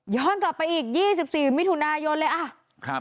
กลับไปอีก๒๔มิถุนายนเลยอ่ะ